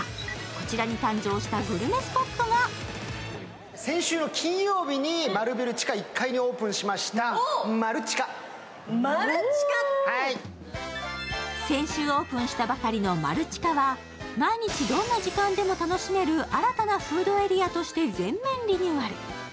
こちらに誕生したグルメスポットが先週オープンしたばかりのマルチカは毎日どんな時間でも楽しめる新たなフードエリアとして全面リニューアル。